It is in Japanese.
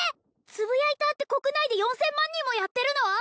つぶやいたーって国内で４０００万人もやってるの？